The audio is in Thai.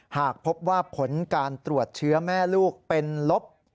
หากพบว่าผลการตรวจเชื้อแม่ลูกเป็นลบ